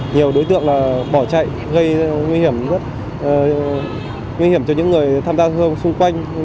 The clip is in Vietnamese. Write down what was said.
nhiều đối tượng bỏ chạy gây nguy hiểm rất nguy hiểm cho những người tham gia giao thông xung quanh